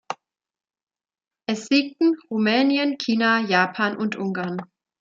Es siegten Rumänien, China, Japan und Ungarn.